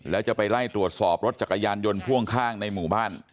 แล้วจะไปไล่ตรวจสอบรถจักรยานยนต์พ่วงข้างในหมู่บ้าน